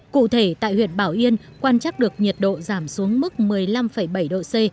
cụ thể tại huyện bảo yên quan trắc được nhiệt độ giảm xuống mức một mươi năm bảy độ c